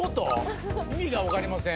意味が分かりません